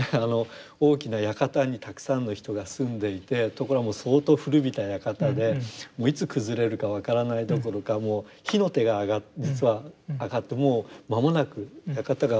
大きな館にたくさんの人が住んでいてところがもう相当古びた館でもういつ崩れるか分からないどころかもう火の手が実は上がってもう間もなく館が。